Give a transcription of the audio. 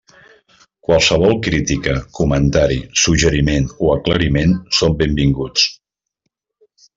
Qualsevol crítica, comentari, suggeriment o aclariment són benvinguts.